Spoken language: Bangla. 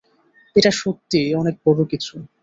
এটা সত্যিই অনেক বড় কিছু।